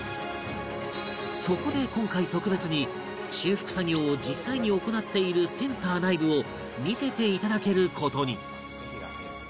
そこで今回特別に修復作業を実際に行っているセンター内部を見せて頂ける事に